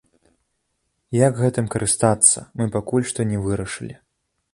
І як гэтым карыстацца, мы пакуль што не вырашылі.